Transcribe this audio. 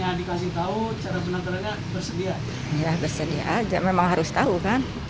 ya bersedia aja memang harus tahu kan